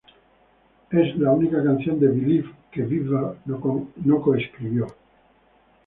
Es la única canción de "Believe" que Bieber no coescribió.